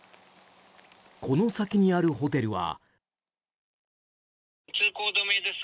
この先にあるホテルは。